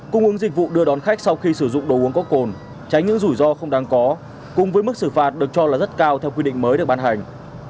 cung ứng dịch vụ đưa đón khách sau khi sử dụng đồ uống có cồn tránh những rủi ro không đáng có cùng với mức xử phạt được cho là rất cao theo quy định mới được ban hành